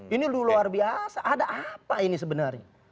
ini luar biasa ada apa ini sebenarnya